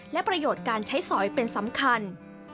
และประโยชน์การใช้สอยเป็นสำคัญ